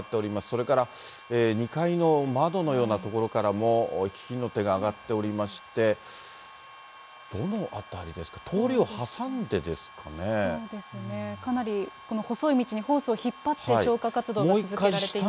それから２階の窓のような所からも火の手が上がっておりまして、どの辺りですか、そうですね、かなり細い道にホースを引っ張って消火活動が続けられています。